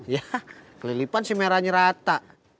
ya kelilipan si merahnya rata